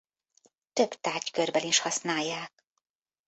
Több tárgykörben is használják.